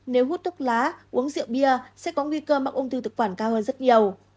nếu hút thuốc lá uống rượu bia sẽ có nguy cơ mắc ung thư thực quản cao hơn rất nhiều